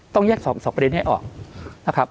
ต้องแยกส่วน๒ประเมนท์นี้ให้ออกนะครับ